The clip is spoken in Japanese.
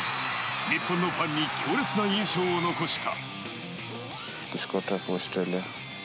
日本のファンに強烈な印象を残した。